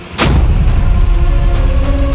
jangan jangan dia sudah mati